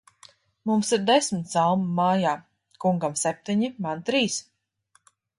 Mums ir desmit salmu mājā; kungam septiņi, man trīs.